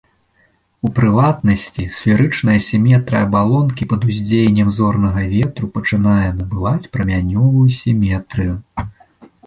У прыватнасці, сферычная сіметрыя абалонкі пад уздзеяннем зорнага ветру пачынае набываць прамянёвую сіметрыю.